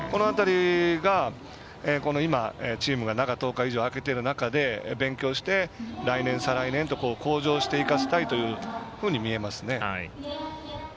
この辺りが今、チームが中１０日以上空けている中で勉強して、来年、再来年と向上していかせたいというふうに見えますね。